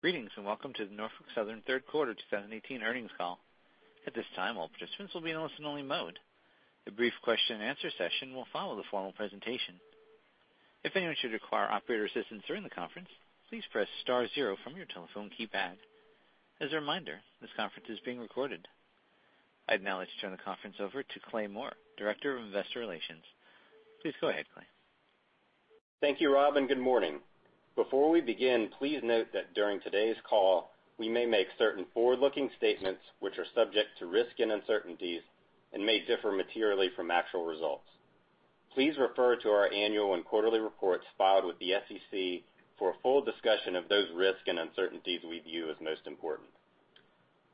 Greetings, welcome to the Norfolk Southern third quarter 2018 earnings call. At this time, all participants will be in listen-only mode. A brief question and answer session will follow the formal presentation. If anyone should require operator assistance during the conference, please press star zero from your telephone keypad. As a reminder, this conference is being recorded. I'd now like to turn the conference over to Clay Moore, Director of Investor Relations. Please go ahead, Clay. Thank you, Rob, good morning. Before we begin, please note that during today's call, we may make certain forward-looking statements which are subject to risk and uncertainties and may differ materially from actual results. Please refer to our annual and quarterly reports filed with the SEC for a full discussion of those risks and uncertainties we view as most important.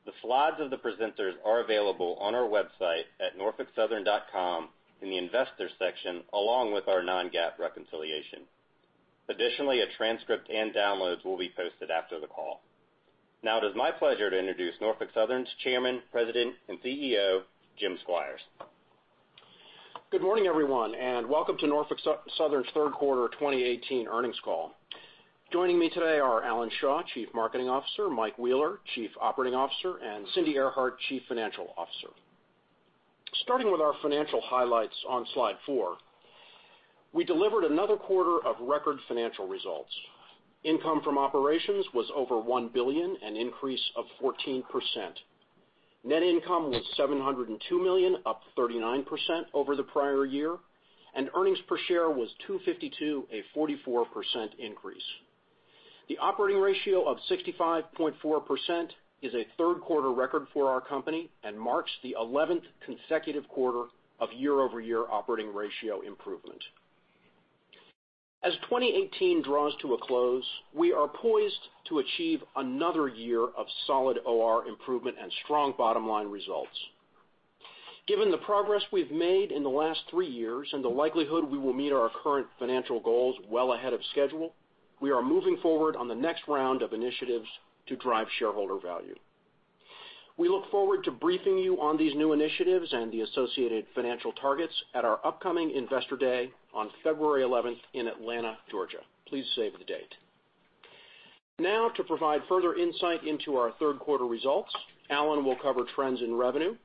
The slides of the presenters are available on our website at norfolksouthern.com in the Investors section, along with our non-GAAP reconciliation. A transcript and downloads will be posted after the call. It is my pleasure to introduce Norfolk Southern's Chairman, President, and CEO, Jim Squires. Good morning, everyone, welcome to Norfolk Southern's third quarter 2018 earnings call. Joining me today are Alan Shaw, Chief Marketing Officer, Mike Wheeler, Chief Operating Officer, and Cindy Earhart, Chief Financial Officer. Starting with our financial highlights on slide four, we delivered another quarter of record financial results. Income from operations was over $1 billion, an increase of 14%. Net income was $702 million, up 39% over the prior year, and earnings per share was $2.52, a 44% increase. The operating ratio of 65.4% is a third quarter record for our company and marks the 11th consecutive quarter of year-over-year operating ratio improvement. As 2018 draws to a close, we are poised to achieve another year of solid OR improvement and strong bottom-line results. Given the progress we've made in the last three years and the likelihood we will meet our current financial goals well ahead of schedule, we are moving forward on the next round of initiatives to drive shareholder value. We look forward to briefing you on these new initiatives and the associated financial targets at our upcoming Investor Day on February 11th in Atlanta, Georgia. Please save the date. To provide further insight into our third quarter results, Alan will cover trends in revenue,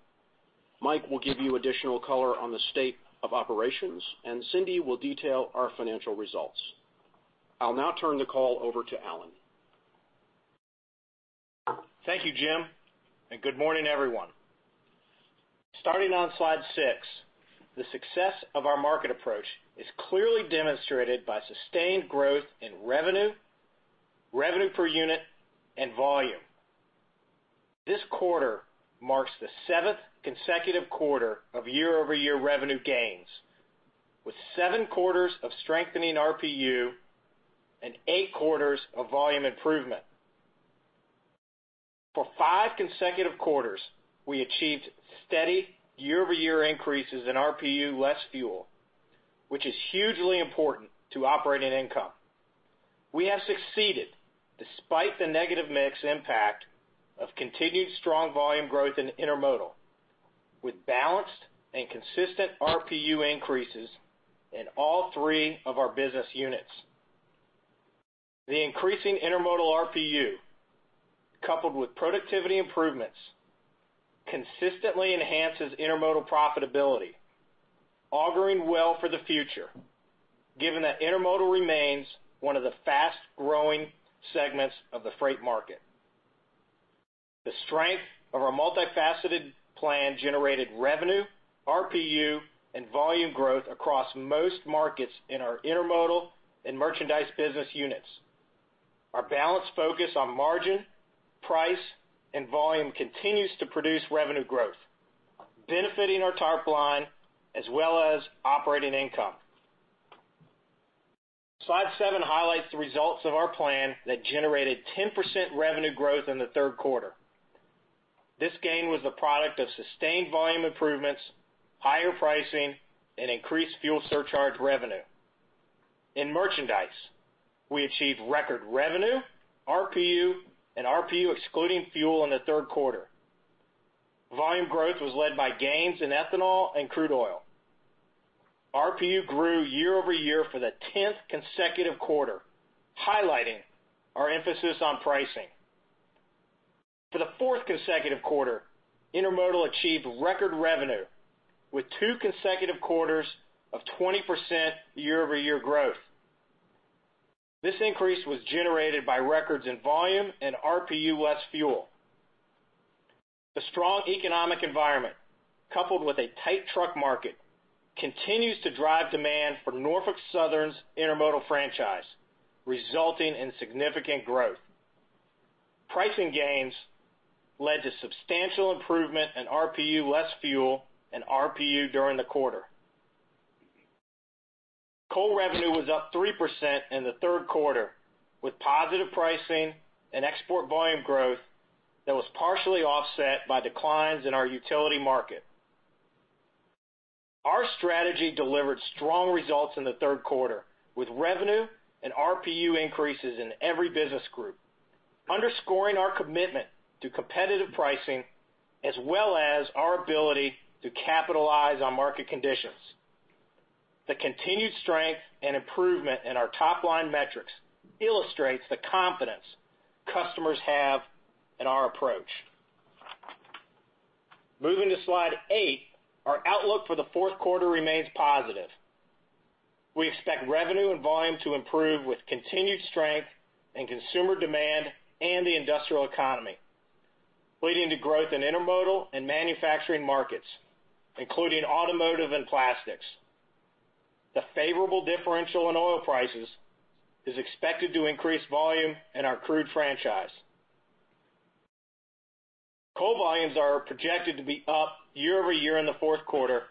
Mike will give you additional color on the state of operations, and Cindy will detail our financial results. I'll now turn the call over to Alan. Thank you, Jim, and good morning, everyone. Starting on slide six, the success of our market approach is clearly demonstrated by sustained growth in revenue per unit, and volume. This quarter marks the seventh consecutive quarter of year-over-year revenue gains, with seven quarters of strengthening RPU and eight quarters of volume improvement. For five consecutive quarters, we achieved steady year-over-year increases in RPU less fuel, which is hugely important to operating income. We have succeeded despite the negative mix impact of continued strong volume growth in intermodal, with balanced and consistent RPU increases in all three of our business units. The increasing intermodal RPU, coupled with productivity improvements, consistently enhances intermodal profitability, auguring well for the future, given that intermodal remains one of the fast-growing segments of the freight market. The strength of our multifaceted plan generated revenue, RPU, and volume growth across most markets in our intermodal and merchandise business units. Our balanced focus on margin, price, and volume continues to produce revenue growth, benefiting our top line as well as operating income. Slide seven highlights the results of our plan that generated 10% revenue growth in the third quarter. This gain was the product of sustained volume improvements, higher pricing, and increased fuel surcharge revenue. In merchandise, we achieved record revenue, RPU, and RPU excluding fuel in the third quarter. Volume growth was led by gains in ethanol and crude oil. RPU grew year-over-year for the 10th consecutive quarter, highlighting our emphasis on pricing. For the fourth consecutive quarter, intermodal achieved record revenue with two consecutive quarters of 20% year-over-year growth. This increase was generated by records in volume and RPU less fuel. The strong economic environment, coupled with a tight truck market, continues to drive demand for Norfolk Southern's intermodal franchise, resulting in significant growth. Pricing gains led to substantial improvement in RPU less fuel and RPU during the quarter. Coal revenue was up 3% in the third quarter, with positive pricing and export volume growth that was partially offset by declines in our utility market. Our strategy delivered strong results in the third quarter, with revenue and RPU increases in every business group, underscoring our commitment to competitive pricing as well as our ability to capitalize on market conditions. The continued strength and improvement in our top-line metrics illustrates the confidence customers have in our approach. Moving to Slide 8, our outlook for the fourth quarter remains positive. We expect revenue and volume to improve with continued strength in consumer demand and the industrial economy, leading to growth in intermodal and manufacturing markets, including automotive and plastics. The favorable differential in oil prices is expected to increase volume in our crude franchise. Coal volumes are projected to be up year-over-year in the fourth quarter,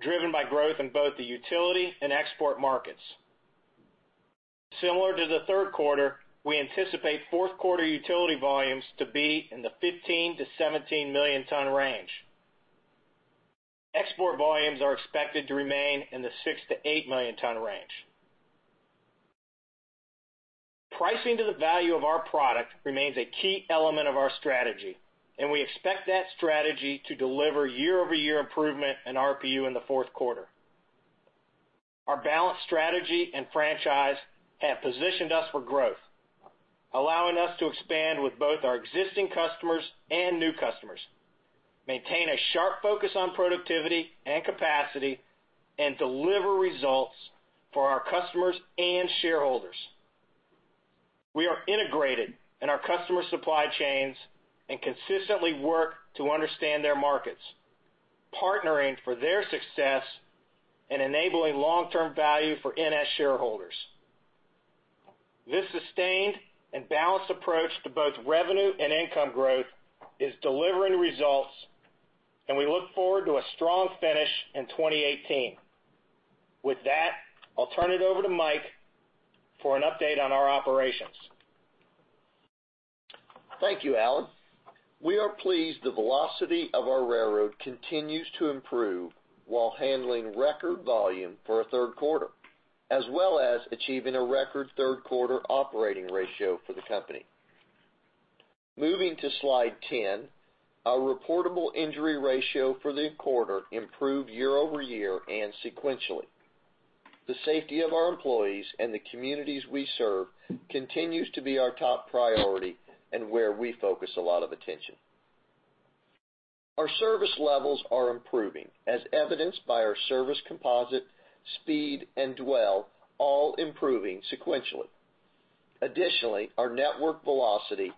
driven by growth in both the utility and export markets. Similar to the third quarter, we anticipate fourth quarter utility volumes to be in the 15 million-17 million ton range. Export volumes are expected to remain in the 6 million-8 million ton range. Pricing to the value of our product remains a key element of our strategy, and we expect that strategy to deliver year-over-year improvement in RPU in the fourth quarter. Our balanced strategy and franchise have positioned us for growth, allowing us to expand with both our existing customers and new customers, maintain a sharp focus on productivity and capacity, and deliver results for our customers and shareholders. We are integrated in our customer supply chains and consistently work to understand their markets, partnering for their success and enabling long-term value for NS shareholders. This sustained and balanced approach to both revenue and income growth is delivering results, and we look forward to a strong finish in 2018. With that, I'll turn it over to Mike for an update on our operations. Thank you, Alan. We are pleased the velocity of our railroad continues to improve while handling record volume for a third quarter, as well as achieving a record third quarter operating ratio for the company. Moving to Slide 10, our reportable injury ratio for the quarter improved year-over-year and sequentially. The safety of our employees and the communities we serve continues to be our top priority and where we focus a lot of attention. Our service levels are improving, as evidenced by our service composite, speed, and dwell all improving sequentially. Additionally, our network velocity,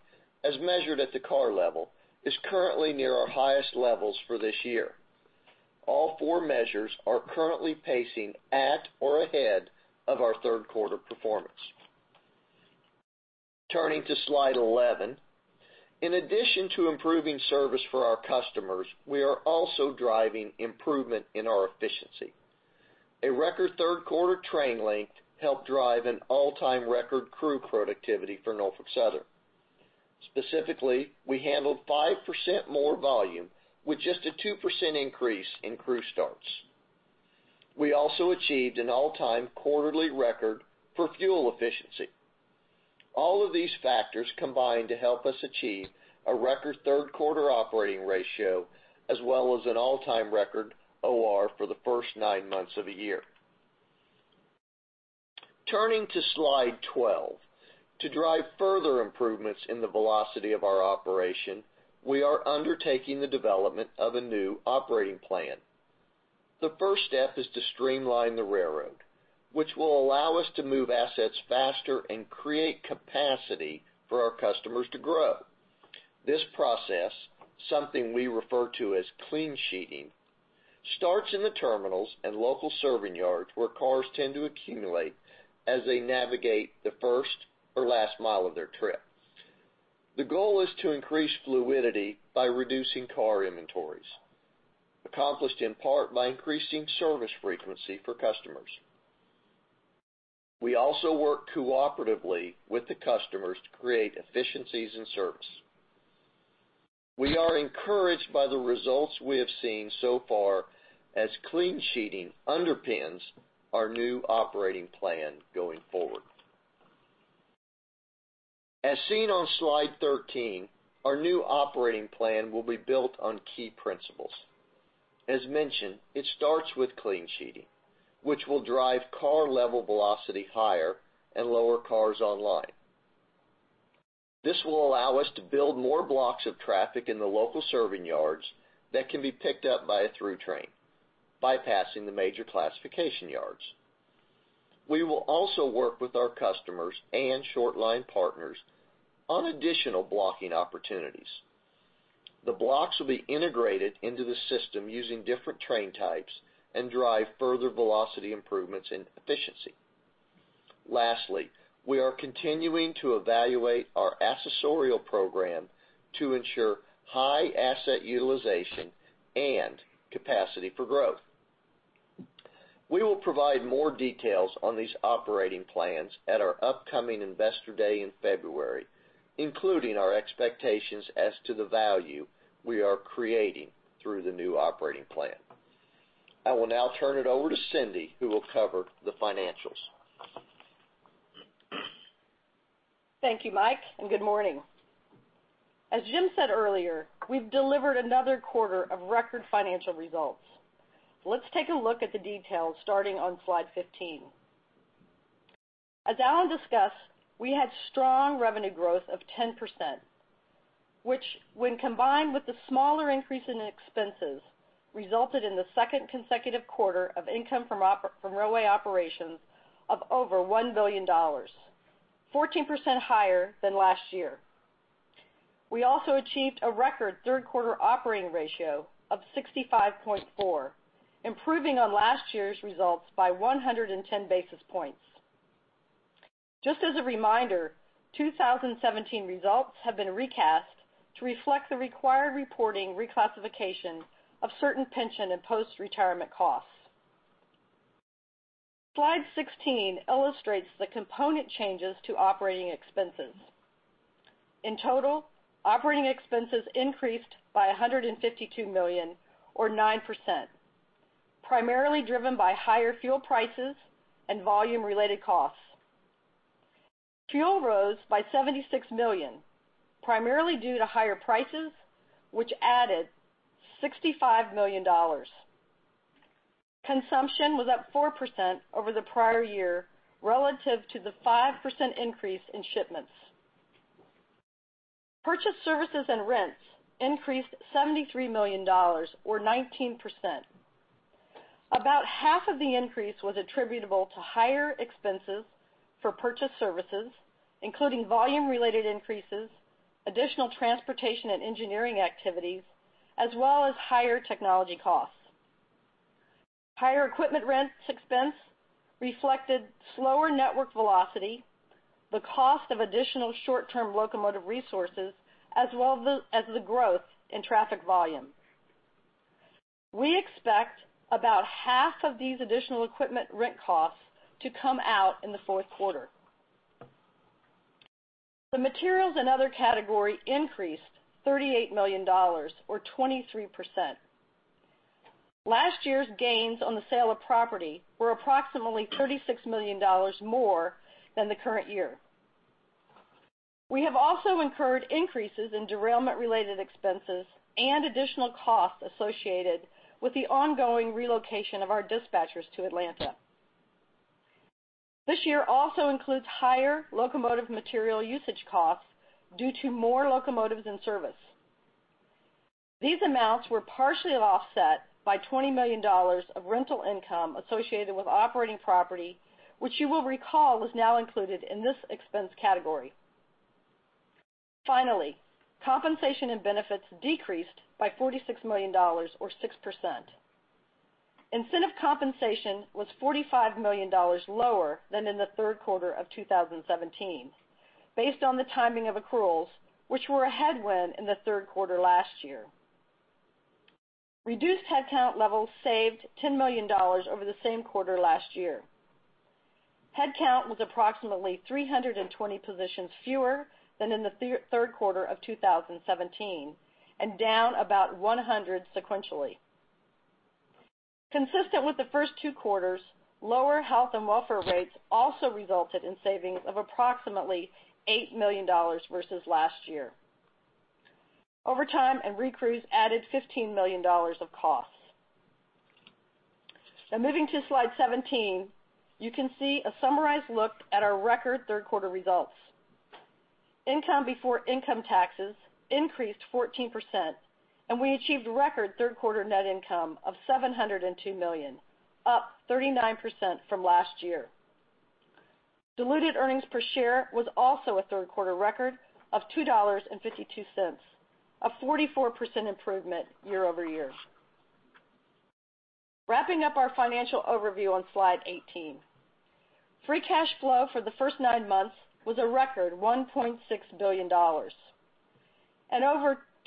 as measured at the car level, is currently near our highest levels for this year. All four measures are currently pacing at or ahead of our third quarter performance. Turning to Slide 11. In addition to improving service for our customers, we are also driving improvement in our efficiency. A record third quarter train length helped drive an all-time record crew productivity for Norfolk Southern. Specifically, we handled 5% more volume with just a 2% increase in crew starts. We also achieved an all-time quarterly record for fuel efficiency. All of these factors combined to help us achieve a record third quarter operating ratio as well as an all-time record OR for the first nine months of the year. Turning to Slide 12. To drive further improvements in the velocity of our operation, we are undertaking the development of a new operating plan. The first step is to streamline the railroad, which will allow us to move assets faster and create capacity for our customers to grow. This process, something we refer to as clean sheeting, starts in the terminals and local serving yards where cars tend to accumulate as they navigate the first or last mile of their trip. The goal is to increase fluidity by reducing car inventories, accomplished in part by increasing service frequency for customers. We also work cooperatively with the customers to create efficiencies in service. We are encouraged by the results we have seen so far as clean sheeting underpins our new operating plan going forward. As seen on Slide 13, our new operating plan will be built on key principles. As mentioned, it starts with clean sheeting, which will drive car level velocity higher and lower cars online. This will allow us to build more blocks of traffic in the local serving yards that can be picked up by a through train, bypassing the major classification yards. We will also work with our customers and short line partners on additional blocking opportunities. The blocks will be integrated into the system using different train types and drive further velocity improvements and efficiency. Lastly, we are continuing to evaluate our accessorial program to ensure high asset utilization and capacity for growth. We will provide more details on these operating plans at our upcoming Investor Day in February, including our expectations as to the value we are creating through the new operating plan. I will now turn it over to Cindy, who will cover the financials Thank you, Mike, and good morning. As Jim said earlier, we've delivered another quarter of record financial results. Let's take a look at the details starting on slide 15. As Alan discussed, we had strong revenue growth of 10%, which, when combined with the smaller increase in expenses, resulted in the second consecutive quarter of income from railway operations of over $1 billion, 14% higher than last year. We also achieved a record third quarter operating ratio of 65.4, improving on last year's results by 110 basis points. Just as a reminder, 2017 results have been recast to reflect the required reporting reclassification of certain pension and post-retirement costs. Slide 16 illustrates the component changes to operating expenses. In total, operating expenses increased by $152 million or 9%, primarily driven by higher fuel prices and volume-related costs. Fuel rose by $76 million, primarily due to higher prices, which added $65 million. Consumption was up 4% over the prior year relative to the 5% increase in shipments. Purchased services and rents increased $73 million or 19%. About half of the increase was attributable to higher expenses for purchased services, including volume-related increases, additional transportation and engineering activities, as well as higher technology costs. Higher equipment rents expense reflected slower network velocity, the cost of additional short-term locomotive resources, as well as the growth in traffic volume. We expect about half of these additional equipment rent costs to come out in the fourth quarter. The materials and other category increased $38 million or 23%. Last year's gains on the sale of property were approximately $36 million more than the current year. We have also incurred increases in derailment-related expenses and additional costs associated with the ongoing relocation of our dispatchers to Atlanta. This year also includes higher locomotive material usage costs due to more locomotives in service. These amounts were partially offset by $20 million of rental income associated with operating property, which you will recall was now included in this expense category. Compensation and benefits decreased by $46 million or 6%. Incentive compensation was $45 million lower than in the third quarter of 2017, based on the timing of accruals, which were a headwind in the third quarter last year. Reduced headcount levels saved $10 million over the same quarter last year. Headcount was approximately 320 positions fewer than in the third quarter of 2017 and down about 100 sequentially. Consistent with the first two quarters, lower health and welfare rates also resulted in savings of approximately $8 million versus last year. Overtime and recrews added $15 million of costs. Moving to slide 17, you can see a summarized look at our record third quarter results. Income before income taxes increased 14%. We achieved record third quarter net income of $702 million, up 39% from last year. Diluted earnings per share was also a third quarter record of $2.52, a 44% improvement year-over-year. Wrapping up our financial overview on slide 18. Free cash flow for the first nine months was a record $1.6 billion. Over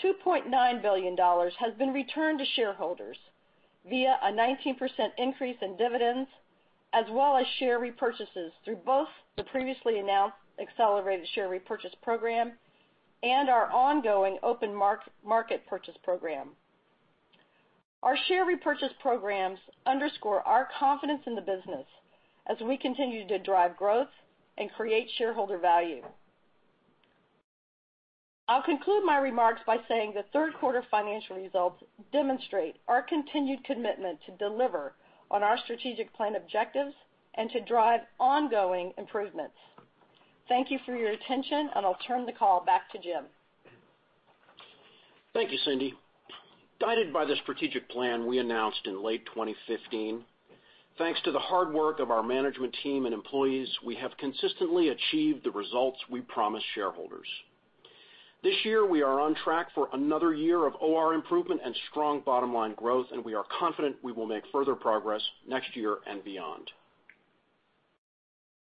$2.9 billion has been returned to shareholders via a 19% increase in dividends, as well as share repurchases through both the previously announced Accelerated Share Repurchase Program and our ongoing open market purchase program. Our share repurchase programs underscore our confidence in the business as we continue to drive growth and create shareholder value. I'll conclude my remarks by saying the third quarter financial results demonstrate our continued commitment to deliver on our strategic plan objectives and to drive ongoing improvements. Thank you for your attention, I'll turn the call back to Jim. Thank you, Cindy. Guided by the strategic plan we announced in late 2015, thanks to the hard work of our management team and employees, we have consistently achieved the results we promised shareholders. This year, we are on track for another year of OR improvement and strong bottom-line growth. We are confident we will make further progress next year and beyond.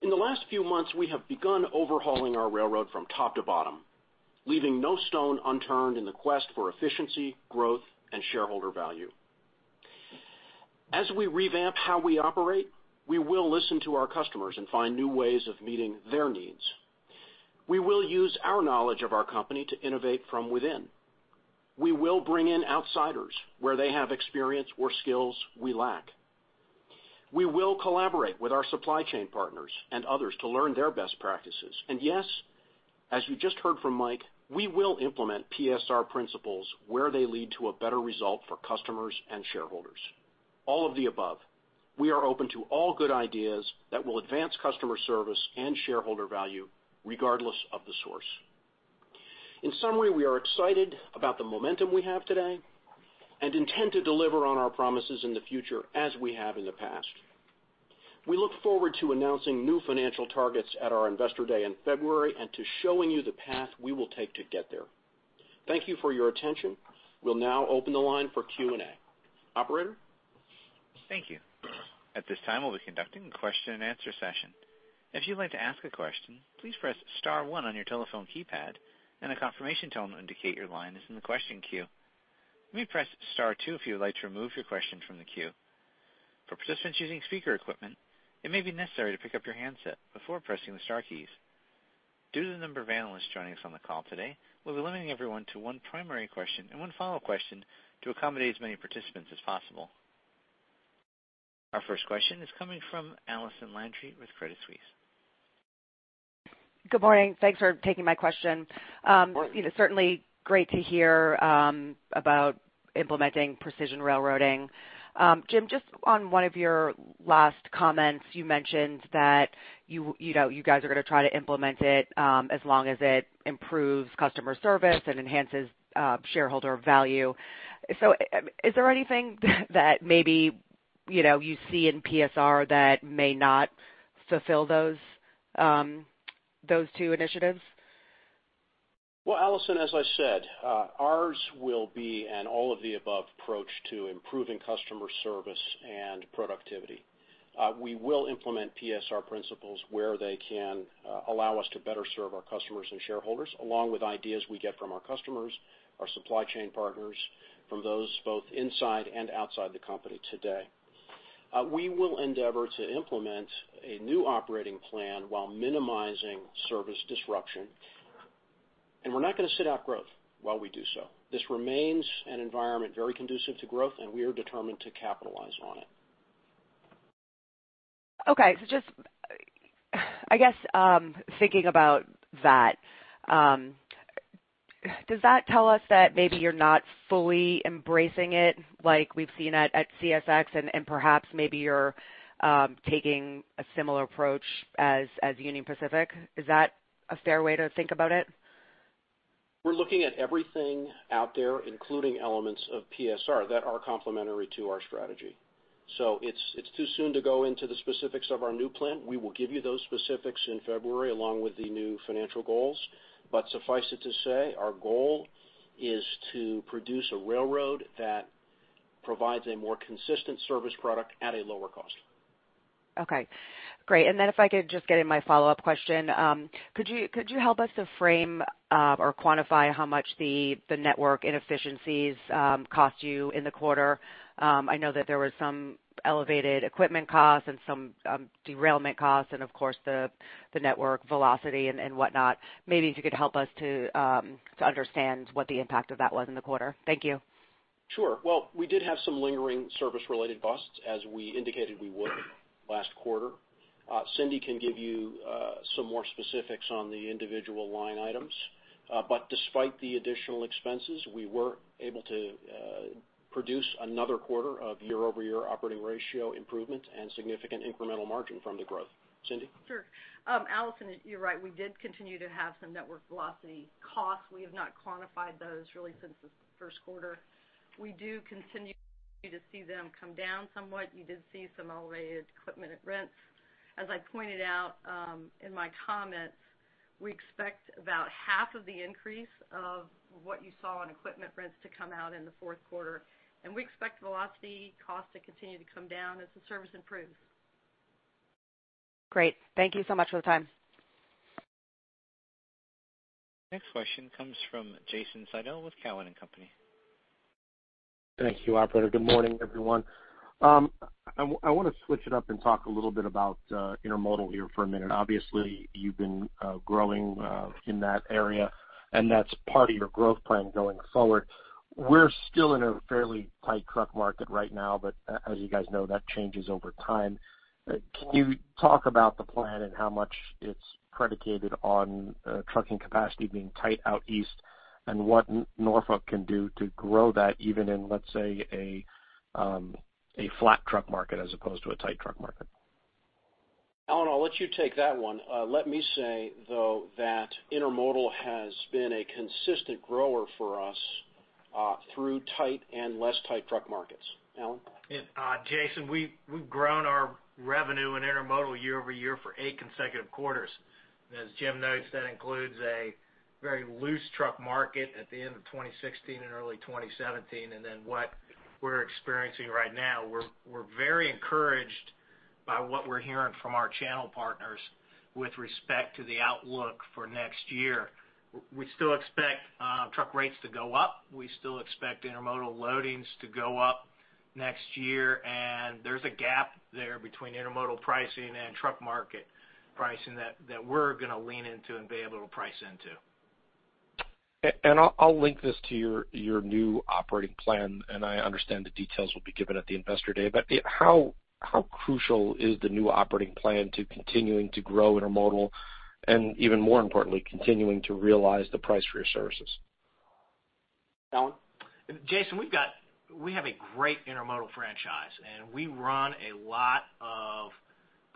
In the last few months, we have begun overhauling our railroad from top to bottom, leaving no stone unturned in the quest for efficiency, growth, and shareholder value. As we revamp how we operate, we will listen to our customers and find new ways of meeting their needs. We will use our knowledge of our company to innovate from within. We will bring in outsiders where they have experience or skills we lack. We will collaborate with our supply chain partners and others to learn their best practices. Yes, as you just heard from Mike, we will implement PSR principles where they lead to a better result for customers and shareholders. All of the above, we are open to all good ideas that will advance customer service and shareholder value regardless of the source. In summary, we are excited about the momentum we have today and intend to deliver on our promises in the future as we have in the past. We look forward to announcing new financial targets at our Investor Day in February and to showing you the path we will take to get there. Thank you for your attention. We'll now open the line for Q&A. Operator? Thank you. At this time, we'll be conducting a question-and-answer session. If you'd like to ask a question, please press star one on your telephone keypad, and a confirmation tone will indicate your line is in the question queue. You may press star two if you would like to remove your question from the queue. For participants using speaker equipment, it may be necessary to pick up your handset before pressing the star keys. Due to the number of analysts joining us on the call today, we'll be limiting everyone to one primary question and one follow-up question to accommodate as many participants as possible. Our first question is coming from Allison Landry with Credit Suisse. Good morning. Thanks for taking my question. Of course. It is certainly great to hear about implementing Precision Railroading. Jim, just on one of your last comments, you mentioned that you guys are going to try to implement it as long as it improves customer service and enhances shareholder value. Is there anything that maybe you see in PSR that may not fulfill those two initiatives? Well, Allison, as I said, ours will be an all-of-the-above approach to improving customer service and productivity. We will implement PSR principles where they can allow us to better serve our customers and shareholders, along with ideas we get from our customers, our supply chain partners, from those both inside and outside the company today. We will endeavor to implement a new operating plan while minimizing service disruption. We're not going to sit out growth while we do so. This remains an environment very conducive to growth, and we are determined to capitalize on it. Okay. Just, I guess, thinking about that, does that tell us that maybe you're not fully embracing it like we've seen at CSX and perhaps maybe you're taking a similar approach as Union Pacific? Is that a fair way to think about it? We're looking at everything out there, including elements of PSR that are complementary to our strategy. It's too soon to go into the specifics of our new plan. We will give you those specifics in February along with the new financial goals. Suffice it to say, our goal is to produce a railroad that provides a more consistent service product at a lower cost. Okay, great. If I could just get in my follow-up question, could you help us to frame or quantify how much the network inefficiencies cost you in the quarter? I know that there was some elevated equipment costs and some derailment costs and of course, the network velocity and whatnot. Maybe if you could help us to understand what the impact of that was in the quarter. Thank you. Sure. Well, we did have some lingering service-related busts as we indicated we would last quarter. Cindy can give you some more specifics on the individual line items. Despite the additional expenses, we were able to produce another quarter of year-over-year operating ratio improvement and significant incremental margin from the growth. Cindy? Sure. Allison, you're right. We did continue to have some network velocity costs. We have not quantified those really since the first quarter. We do continue to see them come down somewhat. You did see some elevated equipment rents. As I pointed out in my comments, we expect about half of the increase of what you saw in equipment rents to come out in the fourth quarter, and we expect velocity costs to continue to come down as the service improves. Great. Thank you so much for the time. Next question comes from Jason Seidl with Cowen and Company. Thank you, operator. Good morning, everyone. I want to switch it up and talk a little bit about intermodal here for a minute. Obviously, you've been growing in that area, and that's part of your growth plan going forward. We're still in a fairly tight truck market right now, but as you guys know, that changes over time. Can you talk about the plan and how much it's predicated on trucking capacity being tight out east, and what Norfolk can do to grow that even in, let's say, a flat truck market as opposed to a tight truck market? Alan, I'll let you take that one. Let me say, though, that intermodal has been a consistent grower for us through tight and less tight truck markets. Alan? Jason, we've grown our revenue in intermodal year-over-year for eight consecutive quarters. As Jim notes, that includes a very loose truck market at the end of 2016 and early 2017, then what we're experiencing right now. We're very encouraged by what we're hearing from our channel partners with respect to the outlook for next year. We still expect truck rates to go up. We still expect intermodal loadings to go up next year. There's a gap there between intermodal pricing and truck market pricing that we're going to lean into and be able to price into. I'll link this to your new operating plan, and I understand the details will be given at the investor day. How crucial is the new operating plan to continuing to grow intermodal and, even more importantly, continuing to realize the price for your services? Alan? Jason, we have a great intermodal franchise. We run a lot of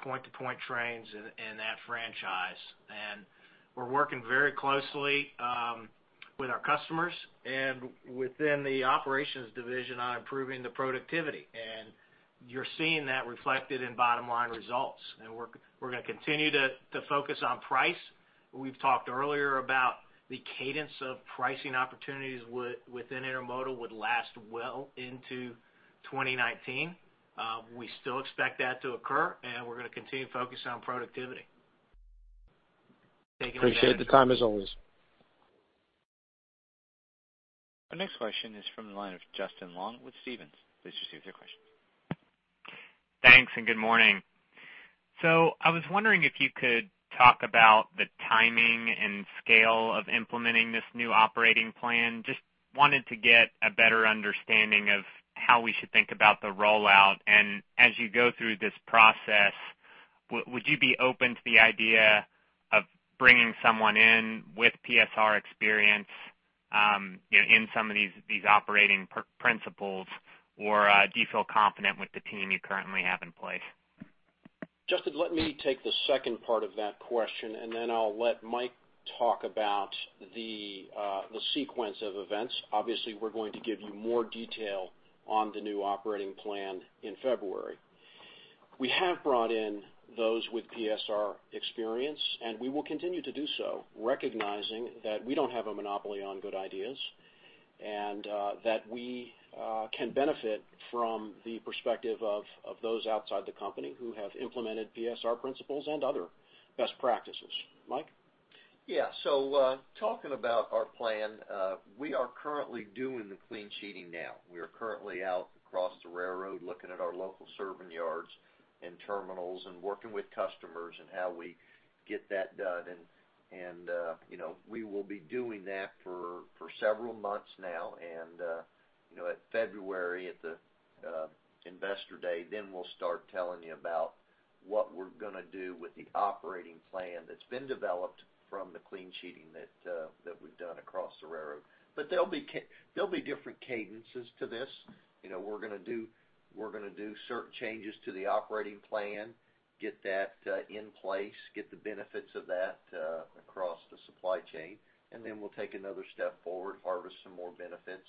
point-to-point trains in that franchise. We're working very closely with our customers and within the operations division on improving the productivity. You're seeing that reflected in bottom-line results. We're going to continue to focus on price. We've talked earlier about the cadence of pricing opportunities within intermodal would last well into 2019. We still expect that to occur. We're going to continue to focus on productivity. Appreciate the time, as always. The next question is from the line of Justin Long with Stephens. Please proceed with your question. Thanks, and good morning. I was wondering if you could talk about the timing and scale of implementing this new operating plan. Just wanted to get a better understanding of how we should think about the rollout. As you go through this process, would you be open to the idea of bringing someone in with PSR experience in some of these operating principles, or do you feel confident with the team you currently have in place? Justin, let me take the second part of that question, and then I'll let Mike talk about the sequence of events. Obviously, we're going to give you more detail on the new operating plan in February. We have brought in those with PSR experience, and we will continue to do so, recognizing that we don't have a monopoly on good ideas, and that we can benefit from the perspective of those outside the company who have implemented PSR principles and other best practices. Mike? Yeah. Talking about our plan, we are currently doing the clean sheeting now. We are currently out across the railroad looking at our local serving yards and terminals and working with customers on how we get that done. We will be doing that for several months now. At February, at the investor day, then we'll start telling you about what we're going to do with the operating plan that's been developed from the clean sheeting that we've done across the railroad. There'll be different cadences to this. We're going to do certain changes to the operating plan, get that in place, get the benefits of that across the supply chain, and then we'll take another step forward, harvest some more benefits.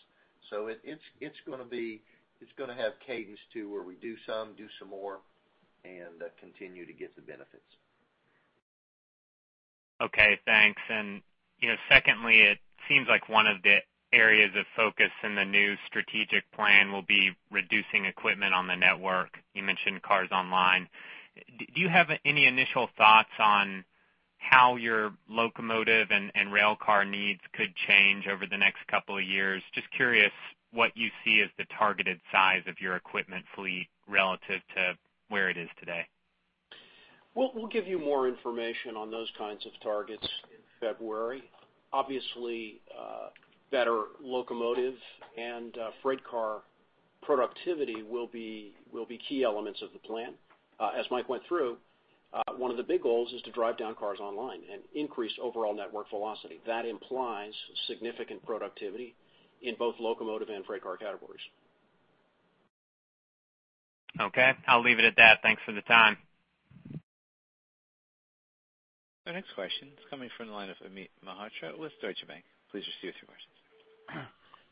It's going to have cadence to where we do some, do some more, and continue to get the benefits. Okay, thanks. Secondly, it seems like one of the areas of focus in the new strategic plan will be reducing equipment on the network. You mentioned cars online. Do you have any initial thoughts on how your locomotive and rail car needs could change over the next couple of years? Just curious what you see as the targeted size of your equipment fleet relative to where it is today. We'll give you more information on those kinds of targets in February. Obviously, better locomotive and freight car productivity will be key elements of the plan. As Mike went through, one of the big goals is to drive down cars online and increase overall network velocity. That implies significant productivity in both locomotive and freight car categories. Okay. I'll leave it at that. Thanks for the time. The next question is coming from the line of Amit Mehrotra with Deutsche Bank. Please proceed with your question.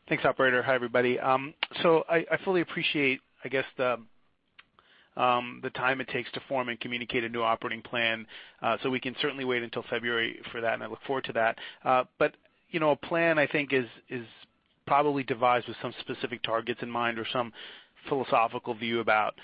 Thanks, operator. Hi, everybody. I fully appreciate, I guess, the time it takes to form and communicate a new operating plan. We can certainly wait until February for that, and I look forward to that. A plan, I think, is probably devised with some specific targets in mind or some philosophical view about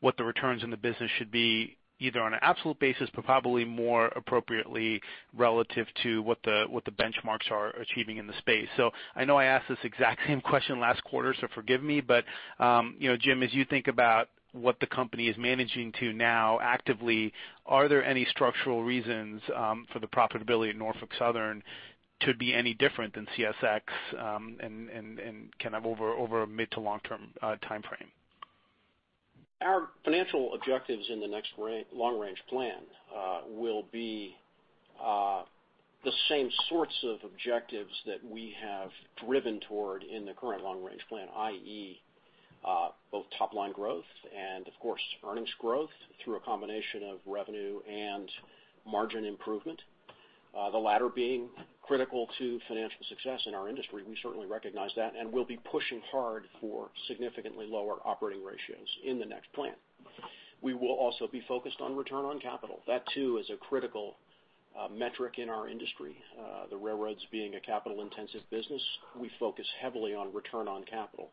what the returns in the business should be, either on an absolute basis, but probably more appropriately relative to what the benchmarks are achieving in the space. I know I asked this exact same question last quarter, so forgive me, but Jim, as you think about what the company is managing to now actively, are there any structural reasons for the profitability at Norfolk Southern to be any different than CSX and kind of over a mid to long-term timeframe? Our financial objectives in the next long-range plan will be the same sorts of objectives that we have driven toward in the current long-range plan, i.e., both top-line growth and, of course, earnings growth through a combination of revenue and margin improvement, the latter being critical to financial success in our industry. We certainly recognize that and will be pushing hard for significantly lower operating ratios in the next plan. We will also be focused on return on capital. That, too, is a critical metric in our industry. The railroads being a capital-intensive business, we focus heavily on return on capital.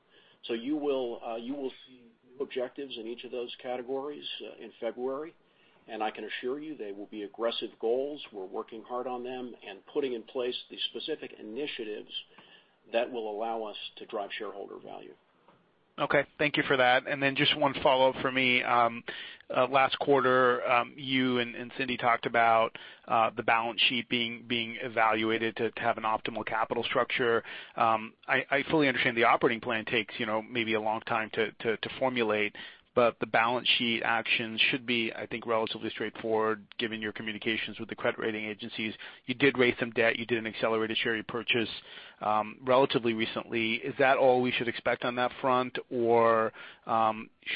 You will see new objectives in each of those categories in February, and I can assure they will be aggressive goals. We're working hard on them and putting in place the specific initiatives That will allow us to drive shareholder value. Okay. Thank you for that. Just one follow-up from me. Last quarter, you and Cindy talked about the balance sheet being evaluated to have an optimal capital structure. I fully understand the operating plan takes maybe a long time to formulate, but the balance sheet actions should be, I think, relatively straightforward, given your communications with the credit rating agencies. You did raise some debt, you did an accelerated share repurchase relatively recently. Is that all we should expect on that front, or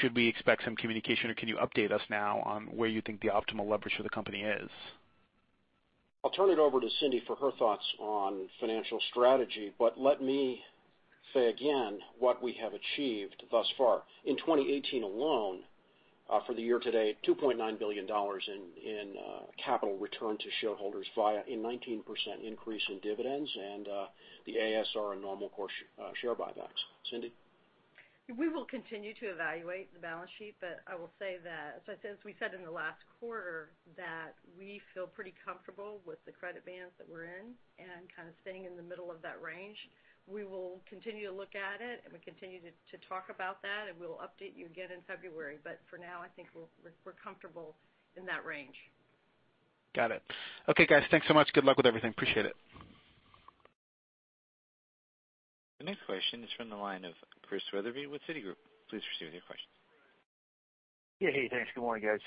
should we expect some communication, or can you update us now on where you think the optimal leverage for the company is? I'll turn it over to Cindy for her thoughts on financial strategy, but let me say again what we have achieved thus far. In 2018 alone, for the year to date, $2.9 billion in capital return to shareholders via a 19% increase in dividends and the ASR and normal course share buybacks. Cindy? We will continue to evaluate the balance sheet, but I will say that, as we said in the last quarter, that we feel pretty comfortable with the credit bands that we're in and kind of staying in the middle of that range. We will continue to look at it and we continue to talk about that, and we'll update you again in February, but for now, I think we're comfortable in that range. Got it. Okay, guys, thanks so much. Good luck with everything. Appreciate it. The next question is from the line of Christian Wetherbee with Citigroup. Please proceed with your question. Yeah. Hey, thanks. Good morning, guys.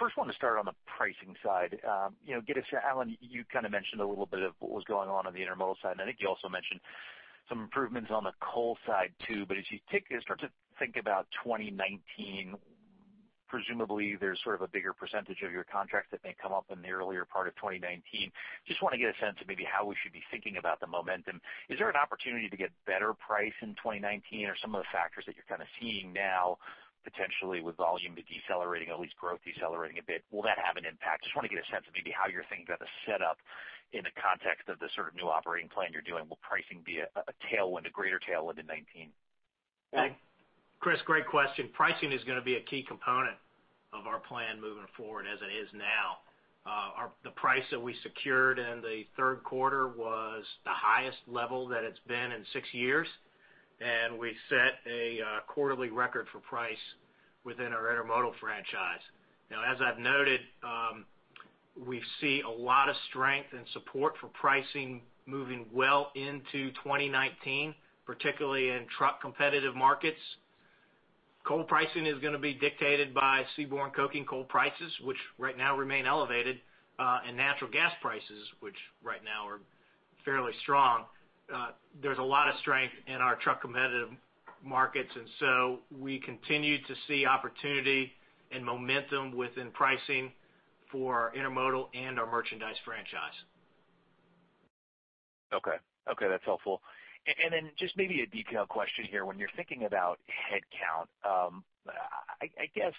First one to start on the pricing side. Alan, you kind of mentioned a little bit of what was going on the intermodal side, and I think you also mentioned some improvements on the coal side, too. As you start to think about 2019, presumably there's sort of a bigger percentage of your contracts that may come up in the earlier part of 2019. Just want to get a sense of maybe how we should be thinking about the momentum. Is there an opportunity to get better price in 2019, or some of the factors that you're kind of seeing now, potentially with volume decelerating, at least growth decelerating a bit, will that have an impact? Just want to get a sense of maybe how you're thinking about the setup in the context of the sort of new operating plan you're doing. Will pricing be a greater tailwind in 2019? Chris, great question. Pricing is going to be a key component of our plan moving forward, as it is now. The price that we secured in the third quarter was the highest level that it's been in 6 years, and we set a quarterly record for price within our intermodal franchise. As I've noted, we see a lot of strength and support for pricing moving well into 2019, particularly in truck competitive markets. Coal pricing is going to be dictated by seaborne coking coal prices, which right now remain elevated, and natural gas prices, which right now are fairly strong. There's a lot of strength in our truck competitive markets, we continue to see opportunity and momentum within pricing for our intermodal and our merchandise franchise. Okay. That's helpful. Just maybe a detailed question here. When you're thinking about headcount, I guess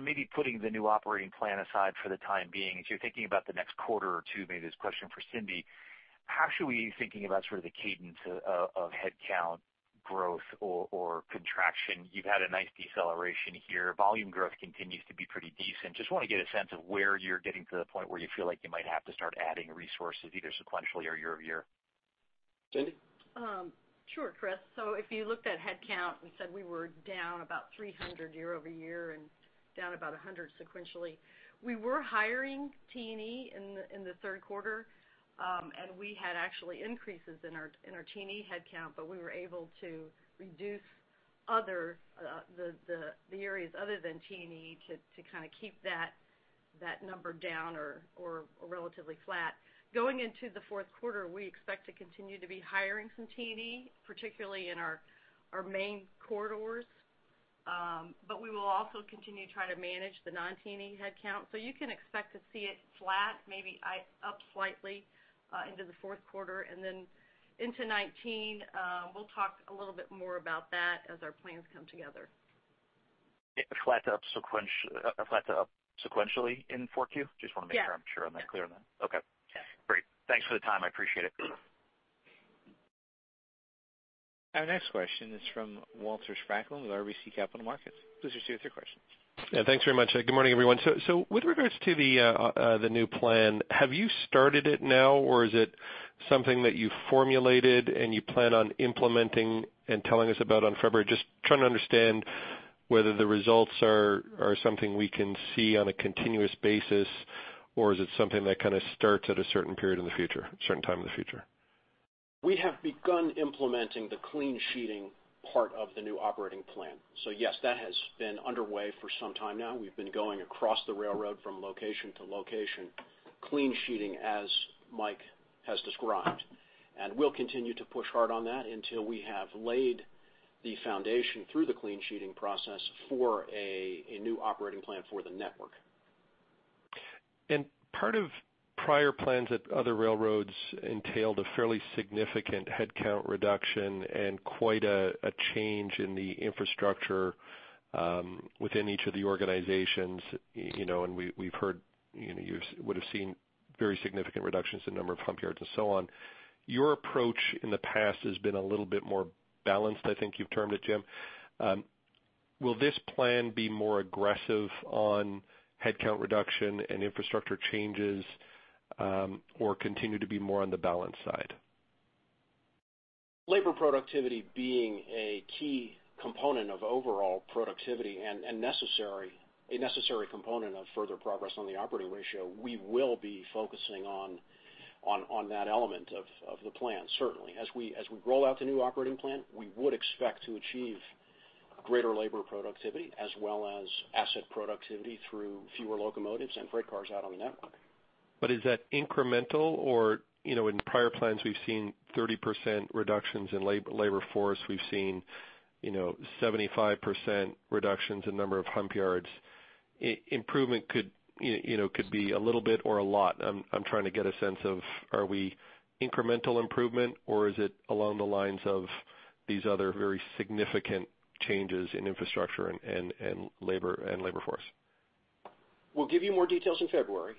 maybe putting the new operating plan aside for the time being, as you're thinking about the next quarter or two, maybe this is a question for Cindy, how should we be thinking about sort of the cadence of headcount growth or contraction? You've had a nice deceleration here. Volume growth continues to be pretty decent. Just want to get a sense of where you're getting to the point where you feel like you might have to start adding resources, either sequentially or year-over-year. Cindy? Sure, Chris. If you looked at headcount and said we were down about 300 year-over-year and down about 100 sequentially, we were hiring T&E in the third quarter, and we had actually increases in our T&E headcount, but we were able to reduce the areas other than T&E to kind of keep that number down or relatively flat. Going into the fourth quarter, we expect to continue to be hiring some T&E, particularly in our main corridors, but we will also continue to try to manage the non-T&E headcount. You can expect to see it flat, maybe up slightly into the fourth quarter. Into 2019, we'll talk a little bit more about that as our plans come together. Yeah. Flat to up sequentially in 4Q? Just want to make sure I'm clear on that. Yeah. Okay. Yeah. Great. Thanks for the time. I appreciate it. Our next question is from Walter Spracklin with RBC Capital Markets. Please proceed with your question. Thanks very much. Good morning, everyone. With regards to the new plan, have you started it now, or is it something that you formulated and you plan on implementing and telling us about on February? Just trying to understand whether the results are something we can see on a continuous basis, or is it something that kind of starts at a certain period in the future, certain time in the future? We have begun implementing the clean sheeting part of the new operating plan. Yes, that has been underway for some time now. We've been going across the railroad from location to location, clean sheeting as Mike has described. We'll continue to push hard on that until we have laid the foundation through the clean sheeting process for a new operating plan for the network. Part of prior plans at other railroads entailed a fairly significant headcount reduction and quite a change in the infrastructure within each of the organizations, we've heard you would've seen very significant reductions in the number of hump yards and so on. Your approach in the past has been a little bit more balanced, I think you've termed it, Jim. Will this plan be more aggressive on headcount reduction and infrastructure changes, or continue to be more on the balance side? Labor productivity being a key component of overall productivity and a necessary component of further progress on the operating ratio, we will be focusing on that element of the plan, certainly. As we roll out the new operating plan, we would expect to achieve greater labor productivity as well as asset productivity through fewer locomotives and freight cars out on the network. Is that incremental or In prior plans, we've seen 30% reductions in labor force. We've seen 75% reductions in number of hump yards. Improvement could be a little bit or a lot. I'm trying to get a sense of, are we incremental improvement or is it along the lines of these other very significant changes in infrastructure and labor force? We'll give you more details in February.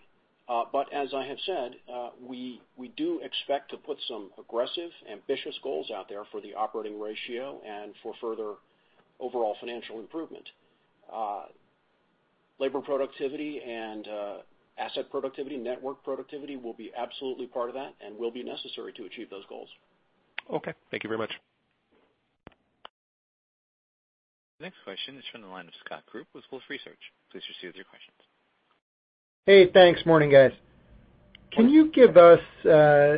As I have said, we do expect to put some aggressive, ambitious goals out there for the operating ratio and for further overall financial improvement. Labor productivity and asset productivity, network productivity will be absolutely part of that and will be necessary to achieve those goals. Okay. Thank you very much. The next question is from the line of Scott Group with Wolfe Research. Please proceed with your questions. Hey, thanks. Morning, guys. Can you give us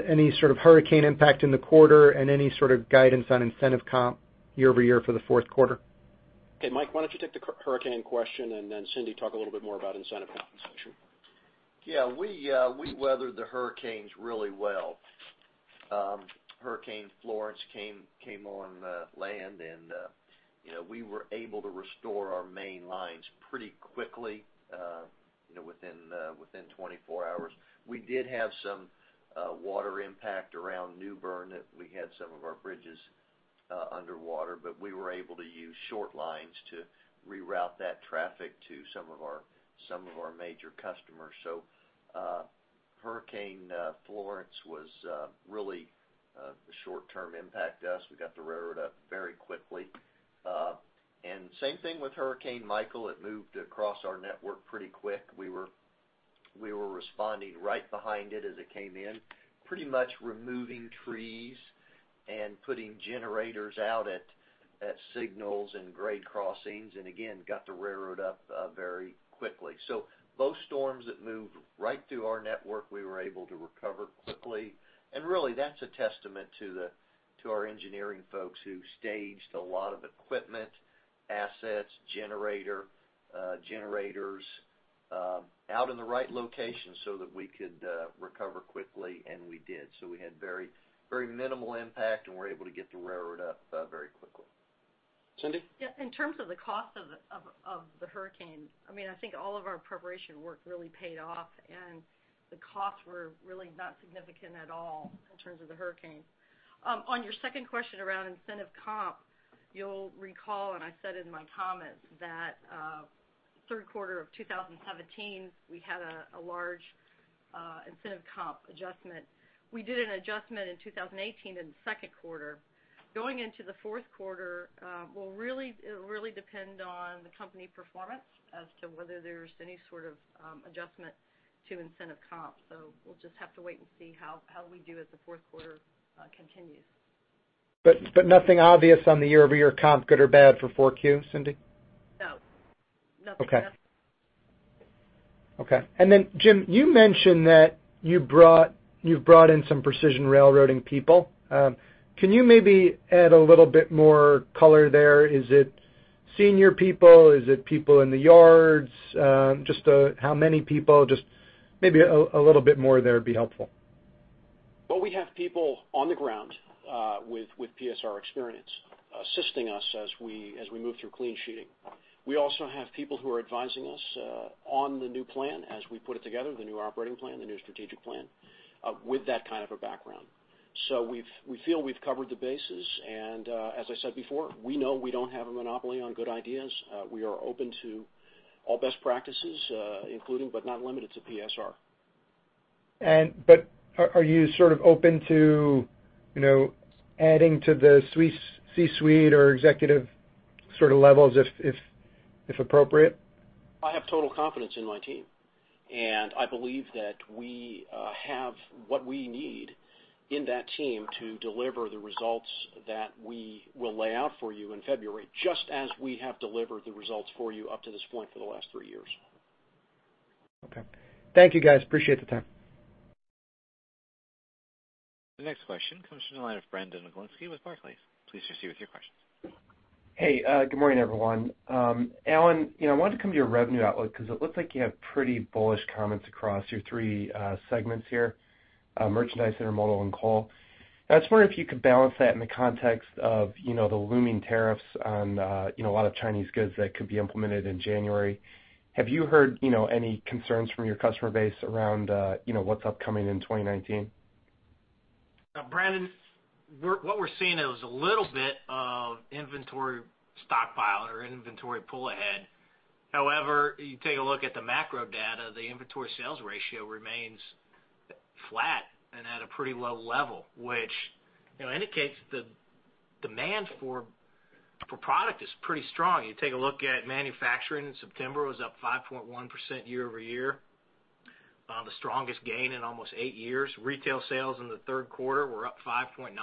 any sort of hurricane impact in the quarter and any sort of guidance on incentive comp year-over-year for the fourth quarter? Mike, why don't you take the hurricane question. Cindy, talk a little bit more about incentive compensation. We weathered the hurricanes really well. Hurricane Florence came on land, we were able to restore our main lines pretty quickly, within 24 hours. We did have some water impact around New Bern that we had some of our bridges underwater, we were able to use short lines to reroute that traffic to some of our major customers. Hurricane Florence was really a short-term impact to us. We got the railroad up very quickly. Same thing with Hurricane Michael. It moved across our network pretty quick. We were responding right behind it as it came in, pretty much removing trees and putting generators out at signals and grade crossings, again, got the railroad up very quickly. Both storms that moved right through our network, we were able to recover quickly. Really, that's a testament to our engineering folks who staged a lot of equipment, assets, generators out in the right location so that we could recover quickly, and we did. We had very minimal impact, and we were able to get the railroad up very quickly. Cindy? In terms of the cost of the hurricane, I think all of our preparation work really paid off, and the costs were really not significant at all in terms of the hurricane. On your second question around incentive comp, you'll recall, and I said in my comments that third quarter of 2017, we had a large incentive comp adjustment. We did an adjustment in 2018 in the second quarter. Going into the fourth quarter, it will really depend on the company performance as to whether there's any sort of adjustment to incentive comp. We'll just have to wait and see how we do as the fourth quarter continues. Nothing obvious on the year-over-year comp, good or bad for 4Q, Cindy? No, nothing that- Okay. Jim, you mentioned that you've brought in some Precision Scheduled Railroading people. Can you maybe add a little bit more color there? Is it senior people? Is it people in the yards? Just how many people, maybe a little bit more there would be helpful. Well, we have people on the ground with PSR experience assisting us as we move through clean sheeting. We also have people who are advising us on the new plan as we put it together, the new operating plan, the new strategic plan with that kind of a background. We feel we've covered the bases, and as I said before, we know we don't have a monopoly on good ideas. We are open to all best practices including but not limited to PSR. Are you sort of open to adding to the C-suite or executive sort of levels if appropriate? I have total confidence in my team, and I believe that we have what we need in that team to deliver the results that we will lay out for you in February, just as we have delivered the results for you up to this point for the last three years. Okay. Thank you, guys. Appreciate the time. The next question comes from the line of Brandon Oglenski with Barclays. Please proceed with your questions. Hey, good morning, everyone. Alan, I wanted to come to your revenue outlook because it looks like you have pretty bullish comments across your three segments here, merchandise, intermodal, and coal. I was wondering if you could balance that in the context of the looming tariffs on a lot of Chinese goods that could be implemented in January. Have you heard any concerns from your customer base around what's upcoming in 2019? Brandon, what we're seeing is a little bit of inventory stockpile or inventory pull ahead. You take a look at the macro data, the inventory sales ratio remains flat and at a pretty low level, which indicates the demand for product is pretty strong. You take a look at manufacturing in September, it was up 5.1% year-over-year, the strongest gain in almost eight years. Retail sales in the third quarter were up 5.9%.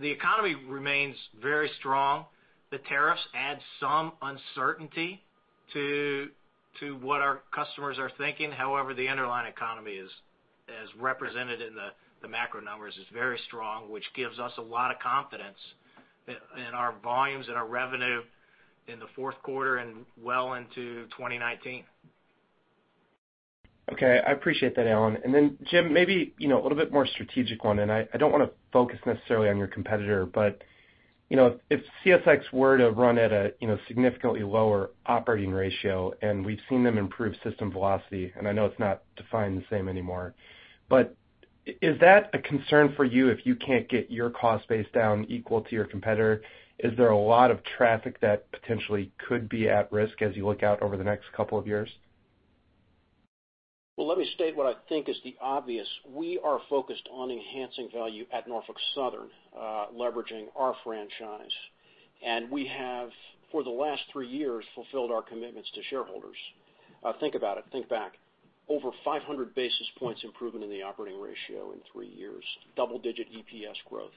The economy remains very strong. The tariffs add some uncertainty to what our customers are thinking. The underlying economy, as represented in the macro numbers, is very strong, which gives us a lot of confidence in our volumes and our revenue in the fourth quarter and well into 2019. Okay. I appreciate that, Alan. Jim, maybe a little bit more strategic one, I don't want to focus necessarily on your competitor, if CSX were to run at a significantly lower operating ratio and we've seen them improve system velocity, I know it's not defined the same anymore, is that a concern for you if you can't get your cost base down equal to your competitor? Is there a lot of traffic that potentially could be at risk as you look out over the next couple of years? Let me state what I think is the obvious. We are focused on enhancing value at Norfolk Southern, leveraging our franchise, and we have, for the last three years, fulfilled our commitments to shareholders. Think about it, think back. Over 500 basis points improvement in the operating ratio in three years, double-digit EPS growth,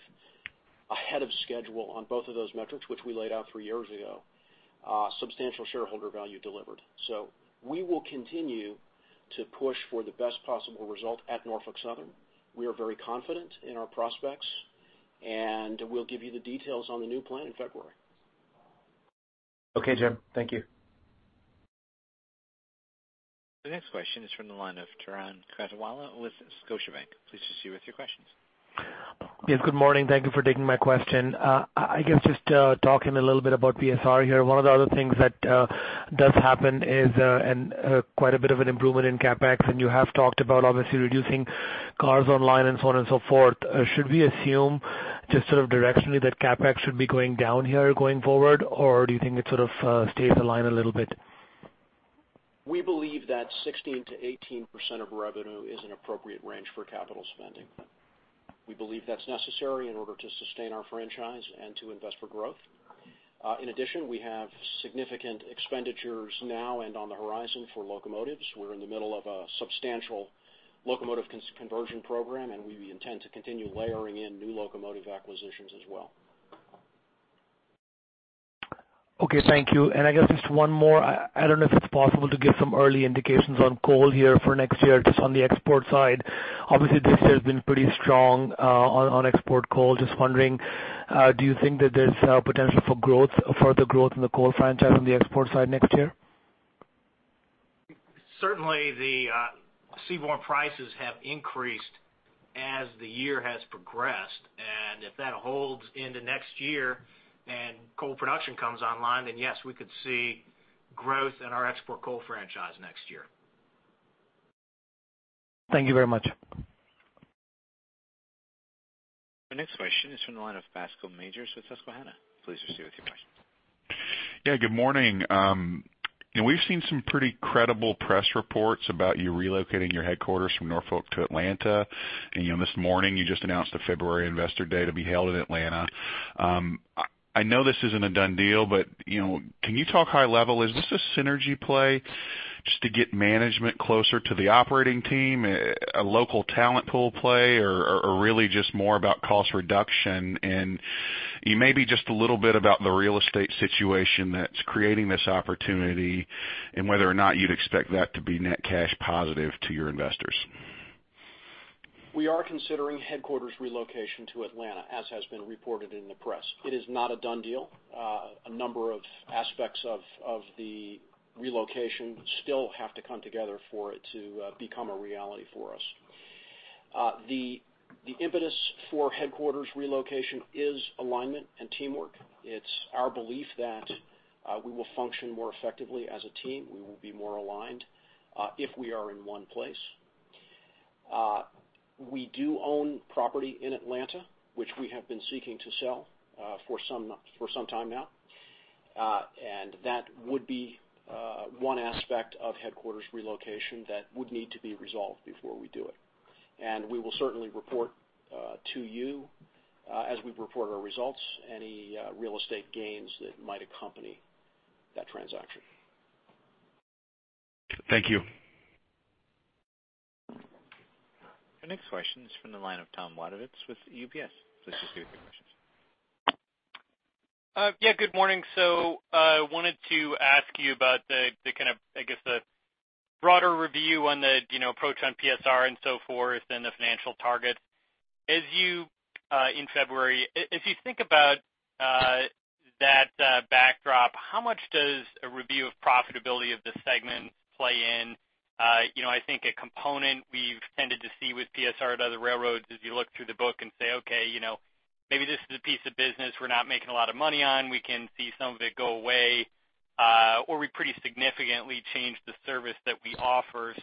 ahead of schedule on both of those metrics, which we laid out three years ago, substantial shareholder value delivered. We will continue to push for the best possible result at Norfolk Southern. We are very confident in our prospects, and we'll give you the details on the new plan in February. Okay, Jim. Thank you. The next question is from the line of Turan Quazi with Scotiabank. Please proceed with your questions. Yes. Good morning. Thank you for taking my question. I guess just talking a little bit about PSR here, one of the other things that does happen is quite a bit of an improvement in CapEx, and you have talked about obviously reducing cars online and so on and so forth. Should we assume just directionally that CapEx should be going down here going forward, or do you think it sort of stays the line a little bit? We believe that 16%-18% of revenue is an appropriate range for capital spending. We believe that's necessary in order to sustain our franchise and to invest for growth. In addition, we have significant expenditures now and on the horizon for locomotives. We're in the middle of a substantial locomotive conversion program, and we intend to continue layering in new locomotive acquisitions as well. Okay. Thank you. I guess just one more. I don't know if it's possible to give some early indications on coal here for next year, just on the export side. Obviously, this year's been pretty strong on export coal. Just wondering, do you think that there's potential for further growth in the coal franchise on the export side next year? Certainly, the seaborne prices have increased as the year has progressed. If that holds into next year and coal production comes online, yes, we could see growth in our export coal franchise next year. Thank you very much. Our next question is from the line of Bascome Majors with Susquehanna. Please proceed with your question. Yeah, good morning. We've seen some pretty credible press reports about you relocating your headquarters from Norfolk to Atlanta, this morning you just announced a February investor day to be held in Atlanta. I know this isn't a done deal, but can you talk high level, is this a synergy play just to get management closer to the operating team, a local talent pool play, or really just more about cost reduction? Maybe just a little bit about the real estate situation that's creating this opportunity and whether or not you'd expect that to be net cash positive to your investors. We are considering headquarters relocation to Atlanta, as has been reported in the press. It is not a done deal. A number of aspects of the relocation still have to come together for it to become a reality for us. The impetus for headquarters relocation is alignment and teamwork. It's our belief that we will function more effectively as a team. We will be more aligned if we are in one place. We do own property in Atlanta, which we have been seeking to sell for some time now. That would be one aspect of headquarters relocation that would need to be resolved before we do it. We will certainly report to you, as we report our results, any real estate gains that might accompany that transaction. Thank you. Our next question is from the line of Tom Wadewitz with UBS. Please proceed with your questions. Yeah, good morning. Wanted to ask you about the broader review on the approach on PSR and so forth and the financial targets. In February, if you think about that backdrop, how much does a review of profitability of the segment play in? I think a component we've tended to see with PSR at other railroads is you look through the book and say, "Okay, maybe this is a piece of business we're not making a lot of money on. We can see some of it go away, or we pretty significantly change the service that we offer."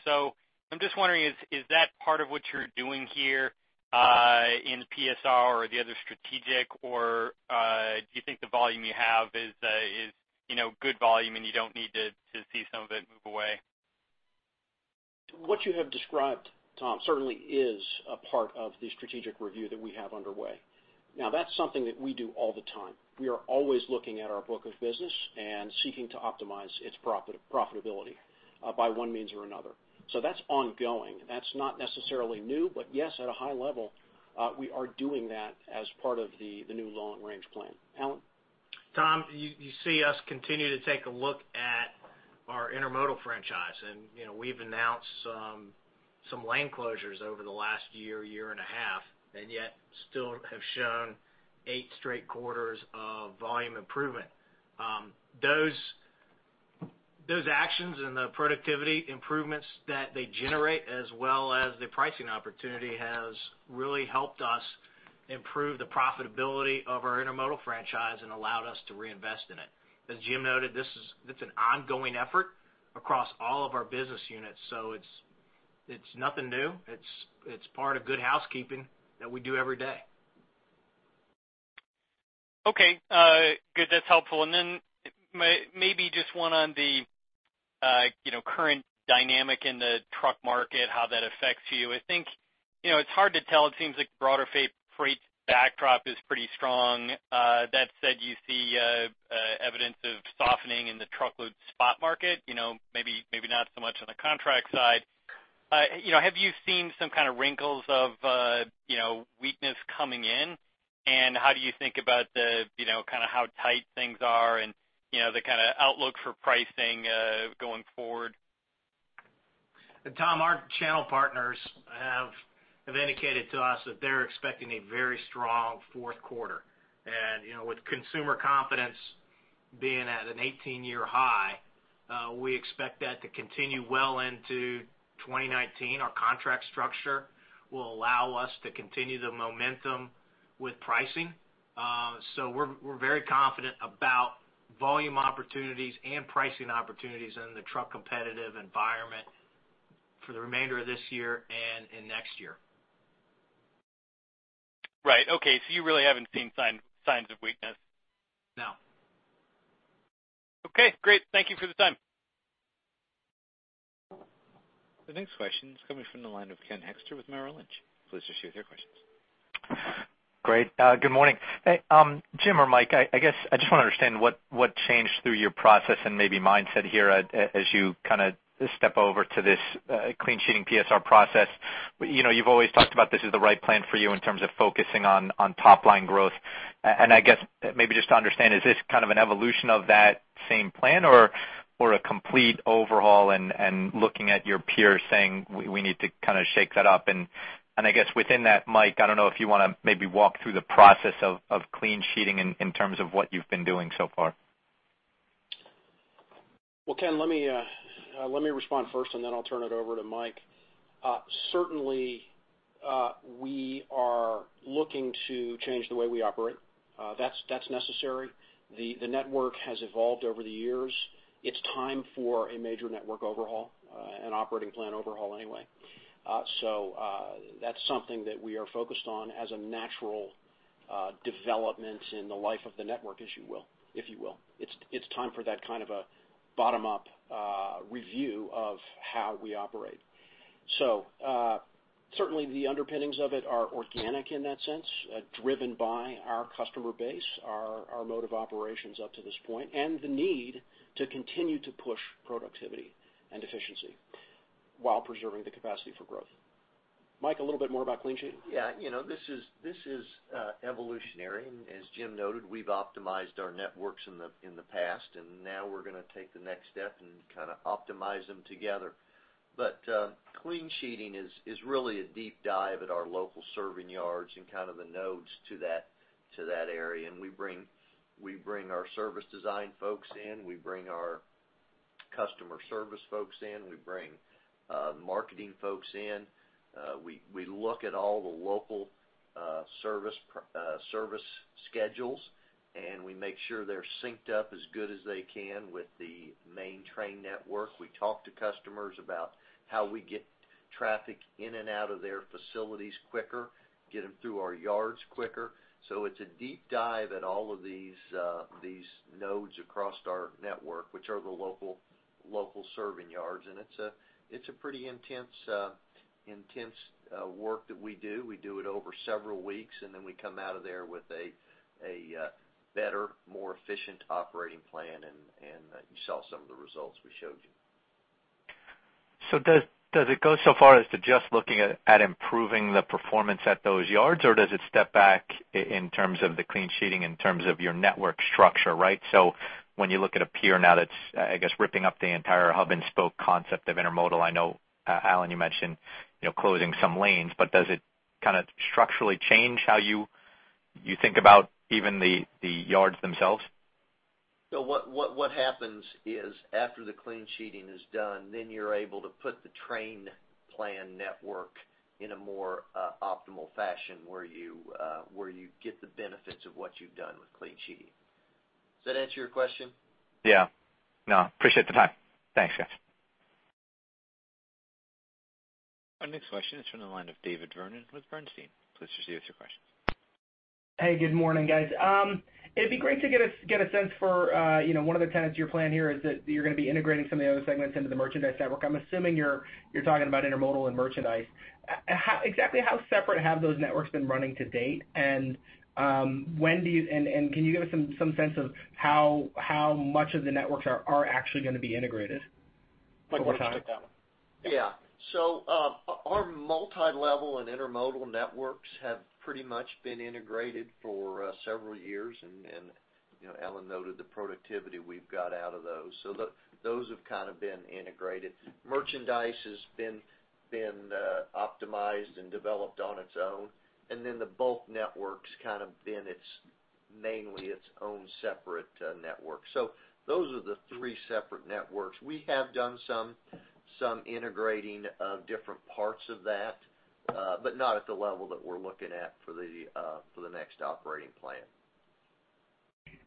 I'm just wondering, is that part of what you're doing here in PSR or the other strategic, or do you think the volume you have is good volume, and you don't need to see some of it move away. What you have described, Tom, certainly is a part of the strategic review that we have underway. That's something that we do all the time. We are always looking at our book of business and seeking to optimize its profitability by one means or another. That's ongoing. That's not necessarily new, but yes, at a high level, we are doing that as part of the new long-range plan. Alan? Tom, you see us continue to take a look at our intermodal franchise, and we've announced some lane closures over the last year and a half, and yet still have shown eight straight quarters of volume improvement. Those actions and the productivity improvements that they generate, as well as the pricing opportunity, has really helped us improve the profitability of our intermodal franchise and allowed us to reinvest in it. As Jim noted, this is an ongoing effort across all of our business units. It's nothing new. It's part of good housekeeping that we do every day. Okay. Good. That's helpful. Maybe just one on the current dynamic in the truck market, how that affects you. I think, it's hard to tell. It seems like the broader freight backdrop is pretty strong. That said, you see evidence of softening in the truckload spot market, maybe not so much on the contract side. Have you seen some kind of wrinkles of weakness coming in? How do you think about how tight things are and the kind of outlook for pricing going forward? Tom, our channel partners have indicated to us that they're expecting a very strong fourth quarter. With consumer confidence being at an 18-year high, we expect that to continue well into 2019. Our contract structure will allow us to continue the momentum with pricing. We're very confident about volume opportunities and pricing opportunities in the truck competitive environment for the remainder of this year and in next year. Right. Okay. You really haven't seen signs of weakness. No. Okay, great. Thank you for the time. The next question is coming from the line of Ken Hoexter with Merrill Lynch. Please proceed with your questions. Great. Good morning. Hey, Jim or Mike, I guess I just want to understand what changed through your process and maybe mindset here as you step over to this clean sheeting PSR process. You've always talked about this as the right plan for you in terms of focusing on top-line growth. I guess, maybe just to understand, is this kind of an evolution of that same plan or a complete overhaul and looking at your peers saying, "We need to shake that up." I guess within that, Mike, I don't know if you want to maybe walk through the process of clean sheeting in terms of what you've been doing so far. Well, Ken, let me respond first, then I'll turn it over to Mike. Certainly, we are looking to change the way we operate. That's necessary. The network has evolved over the years. It's time for a major network overhaul, an operating plan overhaul anyway. That's something that we are focused on as a natural development in the life of the network, if you will. It's time for that kind of a bottom-up review of how we operate. Certainly, the underpinnings of it are organic in that sense, driven by our customer base, our mode of operations up to this point, and the need to continue to push productivity and efficiency while preserving the capacity for growth. Mike, a little bit more about clean sheeting. Yeah. This is evolutionary. As Jim noted, we've optimized our networks in the past, now we're going to take the next step and optimize them together. Clean sheeting is really a deep dive at our local serving yards and the nodes to that area. We bring our service design folks in, we bring our customer service folks in, we bring marketing folks in. We look at all the local service schedules, we make sure they're synced up as good as they can with the main train network. We talk to customers about how we get traffic in and out of their facilities quicker, get them through our yards quicker. It's a deep dive at all of these nodes across our network, which are the local serving yards. It's a pretty intense work that we do. We do it over several weeks, then we come out of there with a better, more efficient operating plan. You saw some of the results we showed you. Does it go so far as to just looking at improving the performance at those yards, or does it step back in terms of the clean sheeting, in terms of your network structure, right? When you look at a peer now that's, I guess, ripping up the entire hub and spoke concept of intermodal, I know, Alan, you mentioned closing some lanes, but does it structurally change how you think about even the yards themselves? What happens is after the clean sheeting is done, then you're able to put the train plan network in a more optimal fashion where you get the benefits of what you've done with clean sheeting. Does that answer your question? Yeah. No, appreciate the time. Thanks, guys. Our next question is from the line of David Vernon with Bernstein. Please proceed with your questions. Hey, good morning, guys. It'd be great to get a sense for one of the tenets of your plan here is that you're going to be integrating some of the other segments into the merchandise network. I'm assuming you're talking about intermodal and merchandise. Exactly how separate have those networks been running to date? Can you give us some sense of how much of the networks are actually going to be integrated over time? Yeah. Our multi-level and intermodal networks have pretty much been integrated for several years, Alan noted the productivity we've got out of those. Those have kind of been integrated. Merchandise has been optimized and developed on its own, the bulk network's kind of been mainly its own separate network. Those are the three separate networks. We have done some integrating of different parts of that, but not at the level that we're looking at for the next operating plan.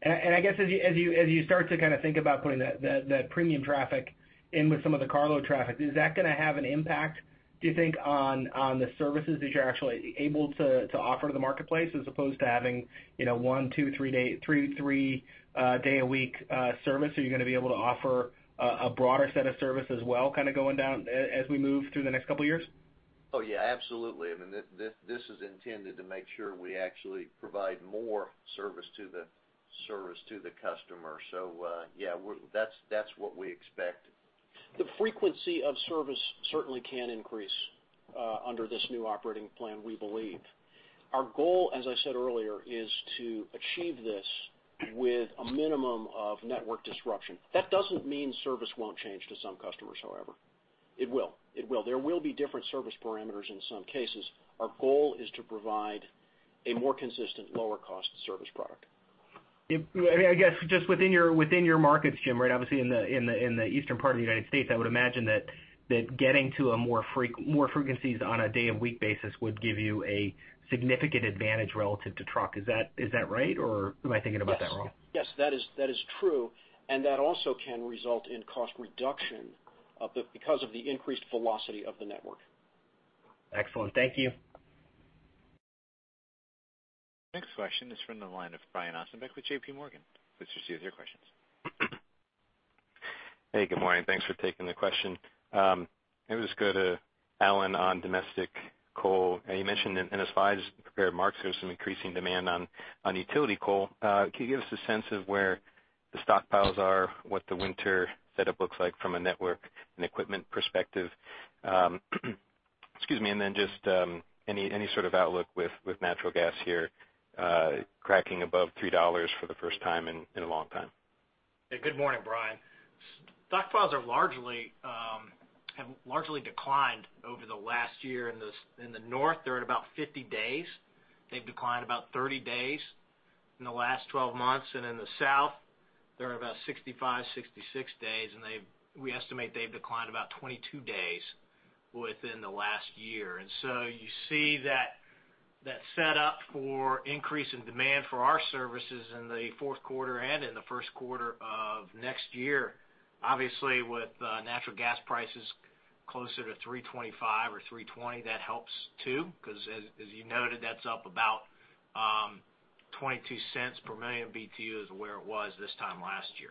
I guess as you start to think about putting that premium traffic in with some of the cargo traffic, is that going to have an impact, do you think, on the services that you're actually able to offer to the marketplace, as opposed to having one, two, three day a week service? Are you going to be able to offer a broader set of service as well, kind of going down as we move through the next couple of years? Oh, yeah, absolutely. I mean, this is intended to make sure we actually provide more service to the customer. Yeah, that's what we expect. The frequency of service certainly can increase under this new operating plan, we believe. Our goal, as I said earlier, is to achieve this with a minimum of network disruption. That doesn't mean service won't change to some customers, however. It will. There will be different service parameters in some cases. Our goal is to provide a more consistent, lower cost service product. I guess, just within your markets, Jim, obviously in the eastern part of the United States, I would imagine that getting to more frequencies on a day of week basis would give you a significant advantage relative to truck. Is that right? Or am I thinking about that wrong? Yes. That is true. That also can result in cost reduction because of the increased velocity of the network. Excellent. Thank you. Next question is from the line of Brian Ossenbeck with J.P. Morgan. Please proceed with your questions. Hey, good morning. Thanks for taking the question. Maybe let's go to Alan on domestic coal. You mentioned in the slides, prepared remarks, there's some increasing demand on utility coal. Can you give us a sense of where the stockpiles are, what the winter setup looks like from a network and equipment perspective? Excuse me, then just any sort of outlook with natural gas here, cracking above $3 for the first time in a long time. Yeah, good morning, Brian. Stockpiles have largely declined over the last year. In the north, they're at about 50 days. They've declined about 30 days in the last 12 months. In the south, they're about 65, 66 days, and we estimate they've declined about 22 days within the last year. So you see that set up for increase in demand for our services in the fourth quarter and in the first quarter of next year. Obviously, with natural gas prices closer to $3.25 or $3.20, that helps too, because as you noted, that's up about $0.22 per million BTUs where it was this time last year.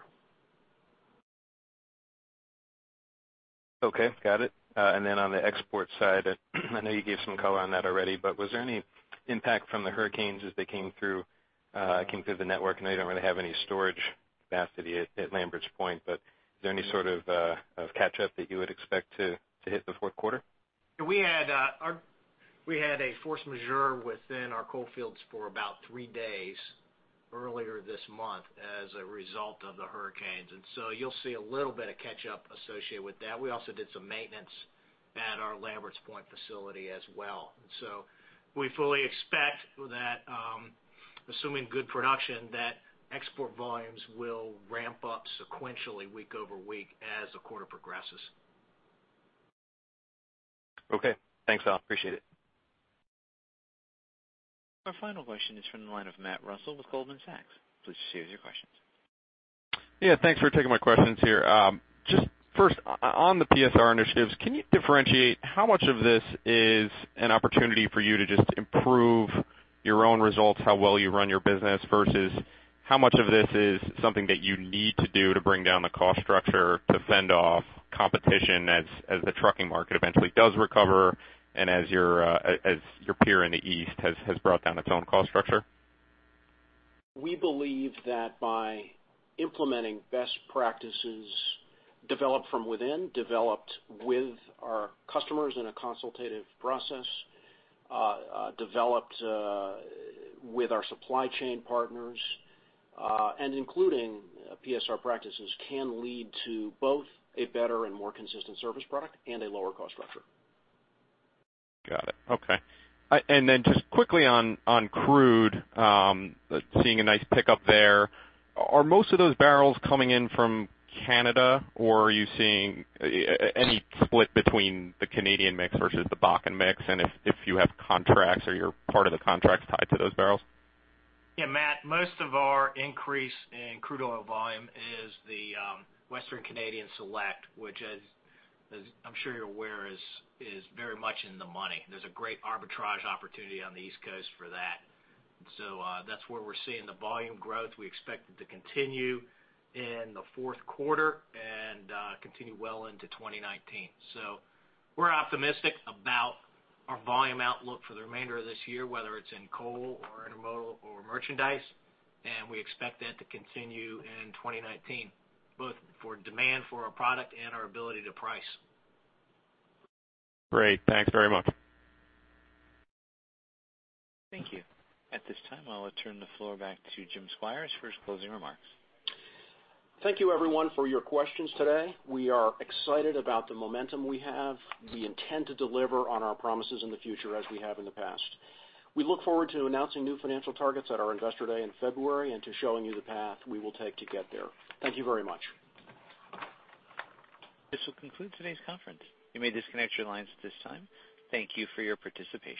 Okay, got it. On the export side, I know you gave some color on that already, but was there any impact from the hurricanes as they came through the network? I know you don't really have any storage capacity at Lambert's Point, but is there any sort of catch-up that you would expect to hit the fourth quarter? Yeah, we had a force majeure within our coal fields for about three days earlier this month as a result of the hurricanes. You'll see a little bit of catch-up associated with that. We also did some maintenance at our Lambert's Point facility as well. We fully expect that, assuming good production, that export volumes will ramp up sequentially week-over-week as the quarter progresses. Okay. Thanks, Alan. Appreciate it. Our final question is from the line of Matt Russell with Goldman Sachs. Please proceed with your questions. Yeah, thanks for taking my questions here. Just first, on the PSR initiatives, can you differentiate how much of this is an opportunity for you to just improve your own results, how well you run your business, versus how much of this is something that you need to do to bring down the cost structure to fend off competition as the trucking market eventually does recover, and as your peer in the East has brought down its own cost structure? We believe that by implementing best practices developed from within, developed with our customers in a consultative process, developed with our supply chain partners, and including PSR practices, can lead to both a better and more consistent service product and a lower cost structure. Got it. Okay. Just quickly on crude, seeing a nice pickup there. Are most of those barrels coming in from Canada, or are you seeing any split between the Canadian mix versus the Bakken mix? If you have contracts or you're part of the contracts tied to those barrels? Yeah, Matt, most of our increase in crude oil volume is the Western Canadian Select, which as I'm sure you're aware, is very much in the money. There's a great arbitrage opportunity on the East Coast for that. That's where we're seeing the volume growth. We expect it to continue in the fourth quarter and continue well into 2019. We're optimistic about our volume outlook for the remainder of this year, whether it's in coal or intermodal or merchandise, and we expect that to continue in 2019, both for demand for our product and our ability to price. Great. Thanks very much. Thank you. At this time, I will turn the floor back to Jim Squires for his closing remarks. Thank you everyone for your questions today. We are excited about the momentum we have. We intend to deliver on our promises in the future as we have in the past. We look forward to announcing new financial targets at our Investor Day in February and to showing you the path we will take to get there. Thank you very much. This will conclude today's conference. You may disconnect your lines at this time. Thank you for your participation.